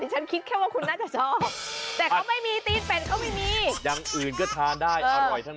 ที่ฉันคิดแค่ว่าคุณน่าจะชอบ